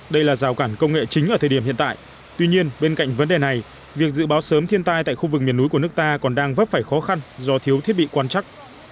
đây là rào cản công nghệ chính ở thời điểm hiện tại tuy nhiên bên cạnh vấn đề này việc dự báo sớm thiên tai tại khu vực miền núi của nước ta còn đang vấp phải khó khăn do thiếu thiết bị quan chắc